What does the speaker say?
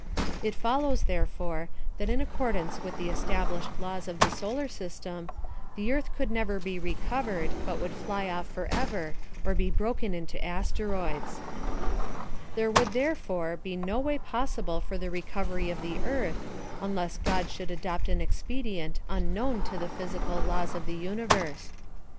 It follows, therefore, that in accordance with the es tablished laws of tlu solar system, the earth cculd never be recovered, but would fly off forever, or be broken into asteroides. There would, therefore, be no way possible for IS4 PHILOSOPHY OF THE the recovery of the earth, unless God should adopt an expedient unknown to the physical laws of thti universe.